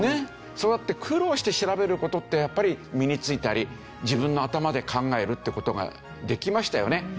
そうやって苦労して調べる事ってやっぱり身についたり自分の頭で考えるって事ができましたよね。